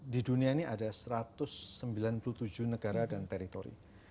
di dunia ini ada satu ratus sembilan puluh tujuh negara dan teritori